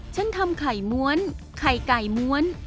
ฉันทำไข่ม้วนไข่ไก่ม้วน